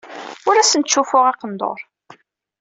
Ur asent-ttcuffuɣ aqendur.